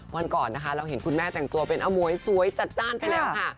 วันก่อนนะคะเราเห็นคุณแม่แต่งตัวเป็นอมวยสวยจัดจ้านไปแล้วค่ะ